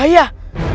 aku sudah menang